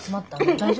大丈夫？